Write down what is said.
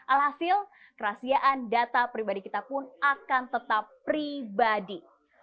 alhasil kerahasiaan data pribadi kita pun akan tetap pribadi